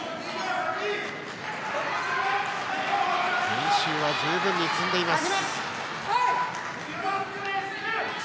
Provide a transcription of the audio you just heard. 練習は十分に積んでいます。